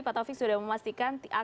pak taufik sudah memastikan